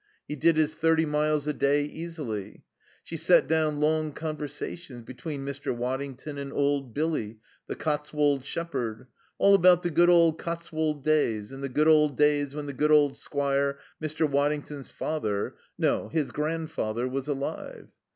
He did his thirty miles a day easily. She set down long conversations between Mr. Waddington and old Billy, the Cotswold shepherd, all about the good old Cotswold ways, in the good old days when the good old Squire, Mr. Waddington's father no, his grandfather was alive.